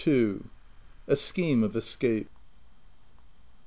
A SCHEME OF ESCAPE.